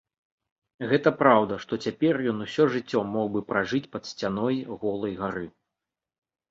Гэта праўда, што цяпер ён усё жыццё мог бы пражыць пад сцяной голай гары.